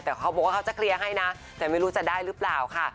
แต่เขาบอกว่าเขาจะเคลียร์ให้นะแต่ไม่รู้จะได้หรือเปล่าค่ะ